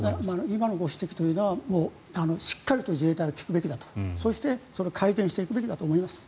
今のご指摘というのはしっかりと自衛隊は聞くべきだとそして改善していくべきだと思います。